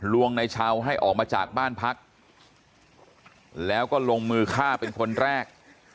วงในชาวให้ออกมาจากบ้านพักแล้วก็ลงมือฆ่าเป็นคนแรก